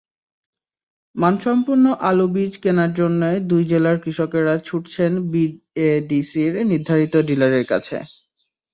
মানসম্পন্ন আলুবীজ কেনার জন্য দুই জেলার কৃষকেরা ছুটছেন বিএডিসির নির্ধারিত ডিলারের কাছে।